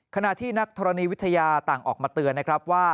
ขณะที่นักธรณีวิทยาต่างออกมาเตือนนะครับว่า